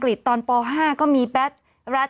กรมป้องกันแล้วก็บรรเทาสาธารณภัยนะคะ